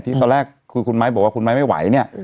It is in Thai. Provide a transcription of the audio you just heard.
ที่ตอนแรกคุณไมค์บอกว่าไม่ไหวเนี่ย